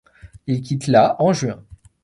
Il quitte la en juin.